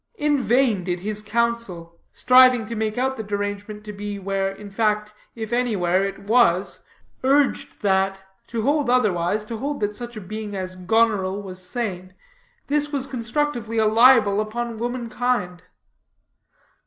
In vain did his counsel, striving to make out the derangement to be where, in fact, if anywhere, it was, urge that, to hold otherwise, to hold that such a being as Goneril was sane, this was constructively a libel upon womankind.